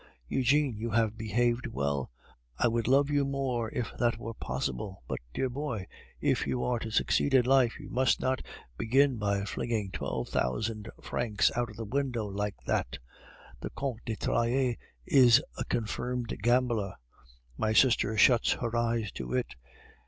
Eugene, you have behaved well. I would love you more if that were possible; but, dear boy, if you are to succeed in life, you must not begin by flinging twelve thousand francs out of the windows like that. The Comte de Trailles is a confirmed gambler. My sister shuts her eyes to it.